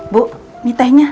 bu ini tehnya